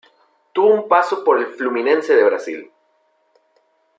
Tuvo un paso por el Fluminense de Brasil.